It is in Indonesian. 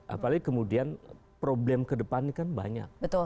apalagi kemudian problem kedepannya kan banyak